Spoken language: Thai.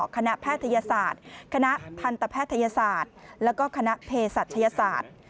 คณะแพทยศาสตร์คณะทันตแพทยศาสตร์แล้วก็คณะเพศรัชยศาสตร์